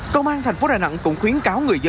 công an thành phố đà nẵng cũng khuyến cáo người dân